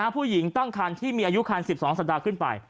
ผู้หญิงตั้งครรภ์ที่มีอายุครรภ์๑๒สันดาคมขึ้นไป